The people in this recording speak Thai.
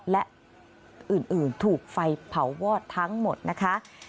และอื่นถูกไฟเผาวอดทั้งหมดนะคะ